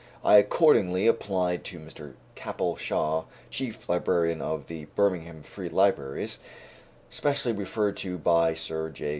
I accordingly applied to Mr. Capel Shaw, Chief Librarian of the Birmingham Free Libraries (specially referred to by Sir J.